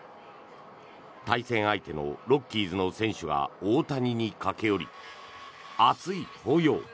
対戦相手のロッキーズの選手が大谷に駆け寄り、熱い抱擁。